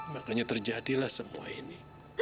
makanya terjadilah semua ini